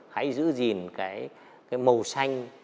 hãy giữ gìn cái màu xanh